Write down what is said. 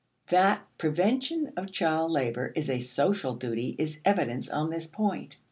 That prevention of child labor is a social duty is evidence on this point.